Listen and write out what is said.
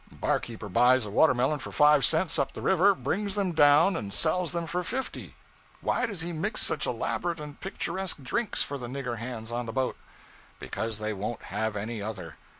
Barkeeper buys watermelons for five cents up the river, brings them down and sells them for fifty. 'Why does he mix such elaborate and picturesque drinks for the nigger hands on the boat?' Because they won't have any other.